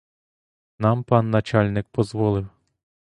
Нам пан начальник позволив.